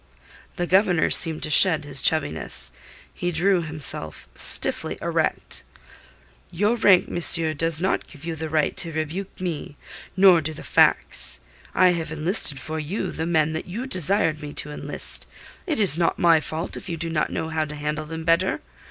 The Governor seemed to shed his chubbiness. He drew himself stiffly erect. "Your rank, monsieur, does not give you the right to rebuke me; nor do the facts. I have enlisted for you the men that you desired me to enlist. It is not my fault if you do not know how to handle them better.